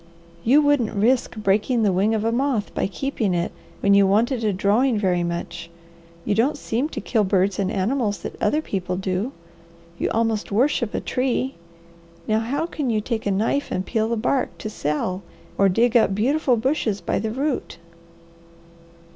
"You wouldn't risk breaking the wing of a moth by keeping it when you wanted a drawing very much; you don't seem to kill birds and animals that other people do. You almost worship a tree; now how can you take a knife and peel the bark to sell or dig up beautiful bushes by the root."